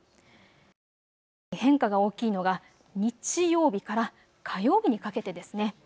特に変化が大きいのが日曜日から火曜日にかけてですね。